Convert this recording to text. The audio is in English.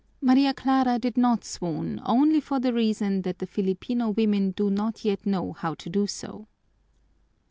Maria Clara did not swoon only for the reason that the Filipino women do not yet know how to do so.